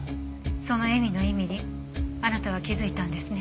その笑みの意味にあなたは気づいたんですね。